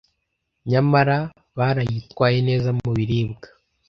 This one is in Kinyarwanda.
nyamara bariyitwaye neza mubiribwa.